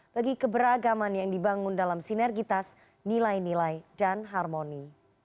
bagi keberagaman yang dibangun dalam sinergitas nilai nilai dan harmoni